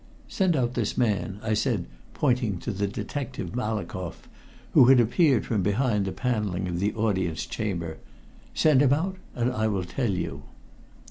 "Send out this man," I said, pointing to the detective Malkoff, who had appeared from behind the paneling of the audience chamber. "Send him out, and I will tell you."